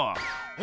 え！